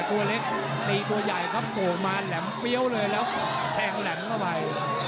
ตัวเล็กตีตัวใหญ่ครับโก่งมาแหลมเฟี้ยวเลยแล้วแทงแหลมเข้าไป